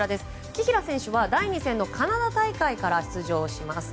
紀平選手は第２戦のカナダ大会から出場します。